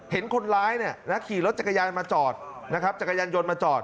เห็นคนร้ายเนี่ยนะขี่รถจักรยานมาจอดนะครับจักรยานยนต์มาจอด